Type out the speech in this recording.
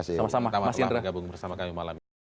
sama sama mas indra